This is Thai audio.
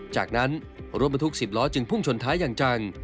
จากนั้นรถบรรทุก๑๐ล้อจึงพุ่งชนท้ายอย่างจัง